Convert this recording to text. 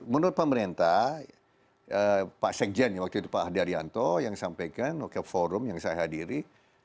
menurut pemerintah pak sekjen pak daryanto yang sampaikan ke forum yang saya hadiri